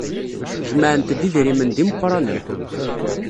Jemɛent-d idrimen d imeqranen.